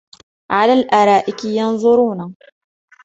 على الأرائك ينظرون